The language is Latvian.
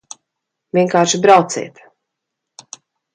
Vienkārši brauciet!